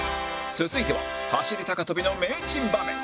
続いては走り高跳びの名珍場面